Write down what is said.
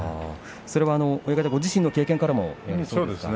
それは親方ご自身の経験からもそうですか？